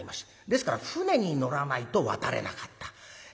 ですから舟に乗らないと渡れなかった。